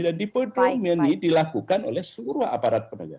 dan dipodromini dilakukan oleh semua aparat penegak